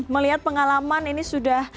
melihat pengalaman ini sudah